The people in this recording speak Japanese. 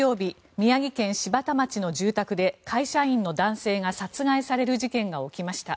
宮城県柴田町の住宅で会社員の男性が殺害される事件が起きました。